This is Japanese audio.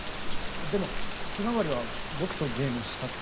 でもひまわりは僕とゲームしたってわかってます。